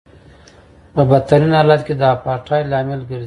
په بدترین حالت کې د اپارټایډ لامل ګرځي.